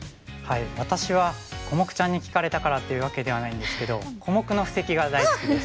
私はコモクちゃんに聞かれたからというわけではないんですけど小目の布石が大好きです。